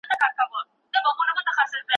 که بدن ډیر ګرم شي، خوله یې وځي.